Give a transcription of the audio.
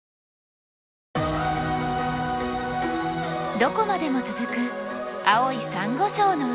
どこまでも続く青いサンゴ礁の海。